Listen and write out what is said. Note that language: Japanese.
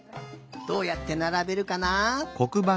どうやってならべるかな？